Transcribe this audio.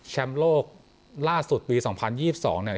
แชมป์โลกราชสุดปีสองพันยี่สิบสองเนี่ย